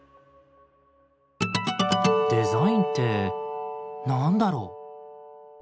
「デザインって何だろう？」。